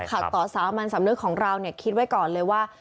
ขัดต่อสามัญสำนึกของเราเนี่ยคิดไว้ก่อนเลยว่า